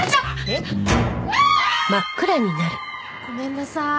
えっ？ごめんなさい。